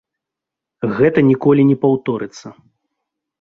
Гэта ніколі не паўторыцца.